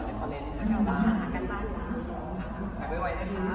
ค่ะโอเคพี่น้องบอกแล้วล่ะว่าโซเวนี